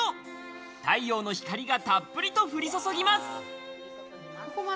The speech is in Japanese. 太陽の光がたっぷりと降り注ぎます。